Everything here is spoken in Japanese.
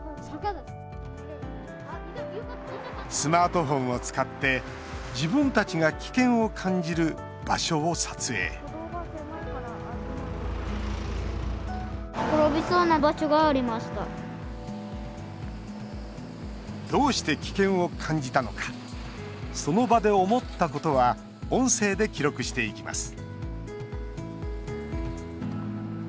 スマートフォンを使って自分たちが危険を感じる場所を撮影どうして危険を感じたのかその場で思ったことは音声で記録していきます